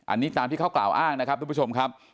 อันนี้ตามที่เขากล่าวอ้างนะครับทุกผู้ชมครับ